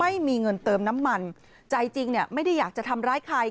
ไม่มีเงินเติมน้ำมันใจจริงเนี่ยไม่ได้อยากจะทำร้ายใคร